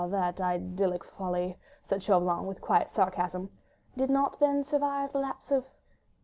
... that idyllic folly," said Chauvelin, with quiet sarcasm, "did not then survive the lapse of